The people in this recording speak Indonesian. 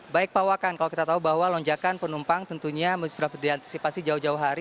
baik pak wakan kalau kita tahu bahwa lonjakan penumpang tentunya sudah diantisipasi jauh jauh hari